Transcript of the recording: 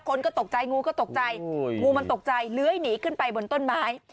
คนก็ตกใจงูก็ตกใจงูมันตกใจเลื้อยหนีขึ้นไปบนต้นไม้